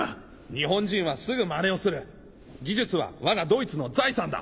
日本人はすぐ真似をする技術はわがドイツの財産だ。